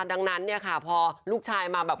ดังนั้นเนี่ยค่ะพอลูกชายมาแบบ